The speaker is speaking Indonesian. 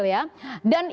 dan yang menariknya adalah